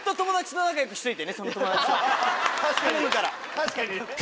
確かにね！